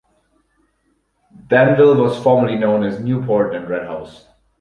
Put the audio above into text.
Danville was formerly known as Newport and Red House.